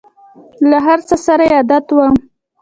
له هر څه سره یې عادت وم !